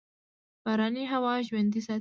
باراني هوا ژوندي ساتي.